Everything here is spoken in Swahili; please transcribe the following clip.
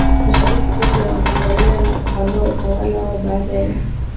Mashariki dhidi ya Wamongolia na kupanua utawala wao Baada ya